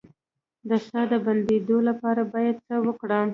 د ساه د بندیدو لپاره باید څه وکړم؟